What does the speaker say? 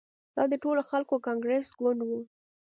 دا د ټولو خلکو کانګرس ګوند وو.